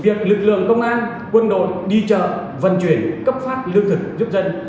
việc lực lượng công an quân đội đi chợ vận chuyển cấp phát lương thực giúp dân